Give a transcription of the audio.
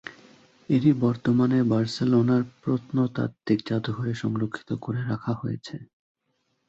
এটি বর্তমানে বার্সেলোনার প্রত্নতাত্ত্বিক জাদুঘরে সংরক্ষিত করে রাখা হয়েছে।